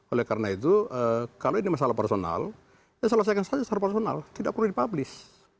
oleh karena itu kalau ini masalah personal ya selesaikan saja secara personal tidak perlu dipublis